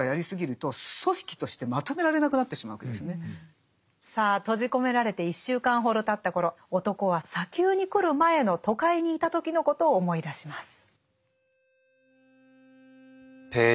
そういうことをあんまりさあとじこめられて１週間ほどたった頃男は砂丘に来る前の都会にいた時のことを思い出します。